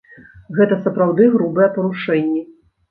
Гэта сапраўды грубыя парушэнні.